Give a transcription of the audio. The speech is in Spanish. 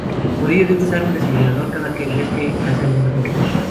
Por ello, debe de usar un desfibrilador, cada vez que hace algún deporte.